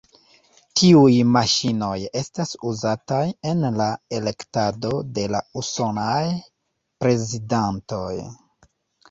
Tiuj maŝinoj estas uzataj en la elektado de la usonaj prezidantoj.